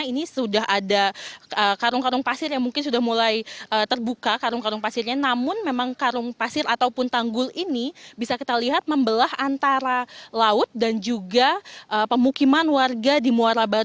ini sudah ada karung karung pasir yang mungkin sudah mulai terbuka karung karung pasirnya namun memang karung pasir ataupun tanggul ini bisa kita lihat membelah antara laut dan juga pemukiman warga di muara baru